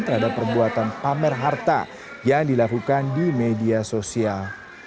terhadap perbuatan pamer harta yang dilakukan di media sosial